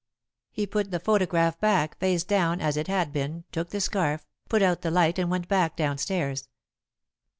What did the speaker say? He put the photograph back, face down, as it had been, took the scarf, put out the light, and went back down stairs.